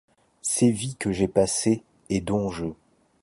Ces vies que j’ai passées et dont je.